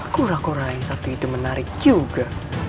kura kura yang satu itu menarik juga